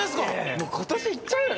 もう今年いっちゃうよね。